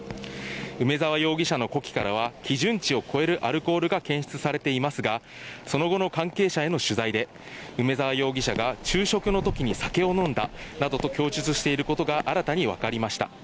梅沢容疑者の呼気からは基準値を超えるアルコールが検出されていますが、その後の関係者への取材で梅沢容疑者が昼食のときに酒を飲んだなどと供述していることが新たにわかりました。